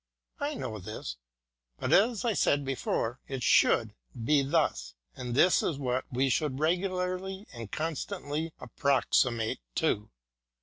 I know this ; but as I said before, it should be thus, and this is what we should regularly and constantly approximate to.